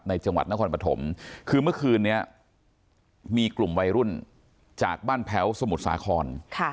จังหวัดนครปฐมคือเมื่อคืนนี้มีกลุ่มวัยรุ่นจากบ้านแพ้วสมุทรสาคร